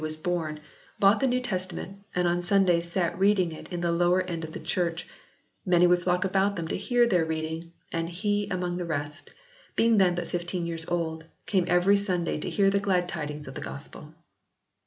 was born, bought the New Testament and on Sundays sat reading of it in the lower end of the church : many would flock about them to hear their reading ; and he among the rest, being then but fifteen years old, came every Sunday to hear the glad tidings of the Gospel."